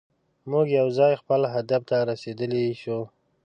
موږ یوځای خپل هدف ته رسیدلی شو.